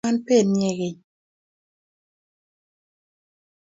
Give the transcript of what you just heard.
Bo koik konyo benie keny